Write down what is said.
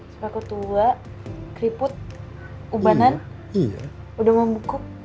sampai aku tua keriput ubanan udah mau bukuk